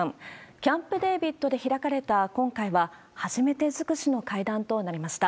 キャンプ・デービッドで開かれた今回は、初めて尽くしの会談となりました。